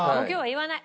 言わない。